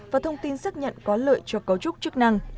và thông tin xác nhận có lợi cho cấu trúc trị